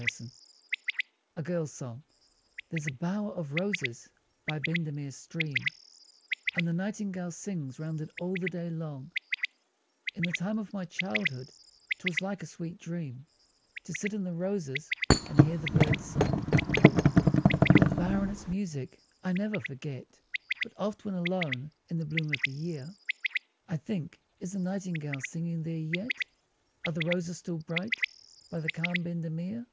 JAMES HOGG. A GIRL'S SONG There's a bower of roses by Bendemeer's stream, And the nightingale sings round it all the day long; In the time of my childhood 'twas like a sweet dream To sit in the roses and hear the bird's song. That bower and its music I never forget, But oft when alone in the bloom of the year, I think is the nightingale singing there yet? Are the roses still bright by the calm Bendemeer?